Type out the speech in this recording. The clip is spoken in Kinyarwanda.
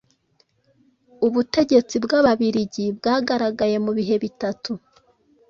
Ubutegetsi bw'Ababiligi bwagaragaye mu bihe bitatu